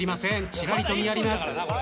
ちらりと見やります。